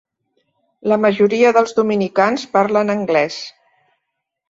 La majoria dels dominicans parlen anglès.